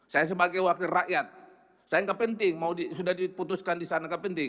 saya sebagai wakil rakyat saya gak penting mau sudah diputuskan disana gak penting